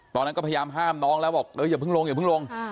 ตอนนั้นก็พยายามห้ามน้องแล้วบอกอย่าเพิ่งลงอย่าเพิ่งลง